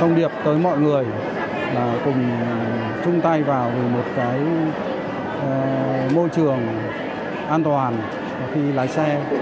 thông điệp tới mọi người là cùng chung tay vào vì một cái môi trường an toàn khi lái xe